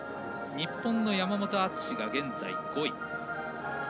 日本の山本篤が現在５位。